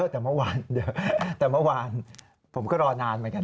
แต่เมื่อวานผมก็รอนานเหมือนกัน